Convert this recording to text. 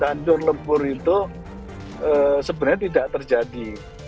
hancur lebur itu sebenarnya tidak terjadi